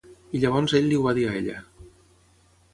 I llavors ell li ho va dir a ella.